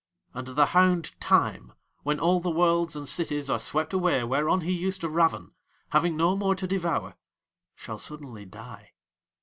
And the hound Time, when all the Worlds and cities are swept away whereon he used to raven, having no more to devour, shall suddenly die.